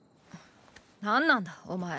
何なんだお前。